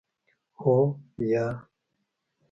هو 👍 یا 👎